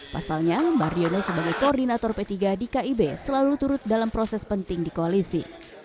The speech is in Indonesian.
pasalnya mardiono sebagai koordinator p tiga di kib selalu turut dalam proses penting di koalisi